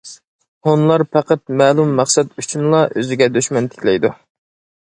-ھونلار پەقەت مەلۇم مەقسەت ئۈچۈنلا ئۆزىگە دۈشمەن تىكلەيدۇ.